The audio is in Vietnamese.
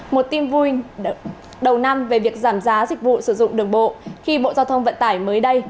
một tin vui đầu năm về việc giảm giá dịch vụ sử dụng đường bộ khi bộ giao thông vận tải mới đây